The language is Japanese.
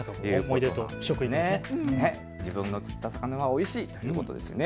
思い出と自分の釣った魚はおいしいということですね。